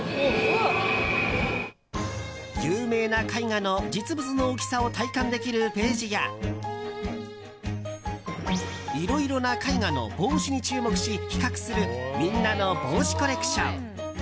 有名な絵画の実物の大きさを体感できるページやいろいろな絵画の帽子に注目し比較するみんなの帽子コレクション。